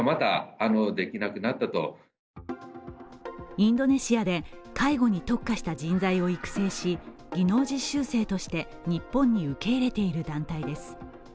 インドネシアで介護に特化した人材を育成し、技能実習生として日本に受け入れている団体です。